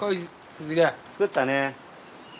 作ったね。